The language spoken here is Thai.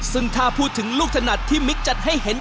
ซึ่งถ้าพูดถึงลูกถนัดที่มิกจัดให้เห็น